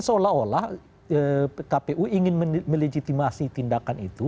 seolah olah kpu ingin melejitimasi tindakan itu